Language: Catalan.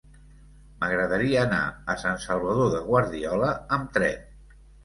M'agradaria anar a Sant Salvador de Guardiola amb tren.